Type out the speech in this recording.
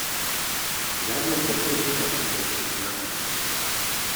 Žádné poddruhy zatím nejsou známy.